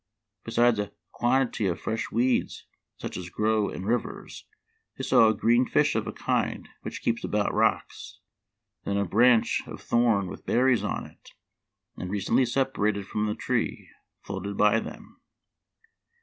Besides a quantity of fresh weeds such as grow in rivers, they saw a green fish of a kind which keeps about rocks ; then a branch of thorn with berries on it, and recently sep arated from the tree, floated by them.